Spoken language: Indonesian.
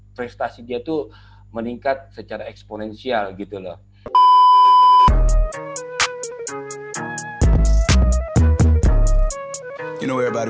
prestasi dia tuh meningkat secara eksponensial gitu loh